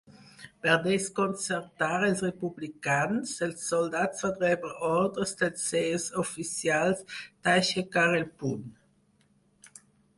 Per desconcertar els republicans, els soldats van rebre ordres dels seus oficials d'aixecar el puny.